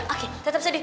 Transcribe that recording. oke tetap sedih